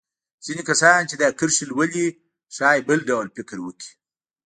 ځينې کسان چې دا کرښې لولي ښايي بل ډول فکر وکړي.